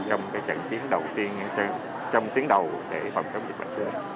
trong cái trận chiến đầu tiên trong chiến đầu để phòng chống dịch bệnh